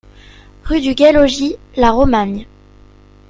Rue du Gai Logis, La Romagne